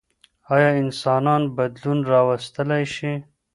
ايا انسانان بدلون راوستلی شي؟